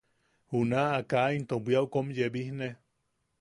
Junaʼa kaa into bwiau kom yebijne.